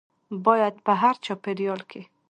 باید په هر چاپیریال کې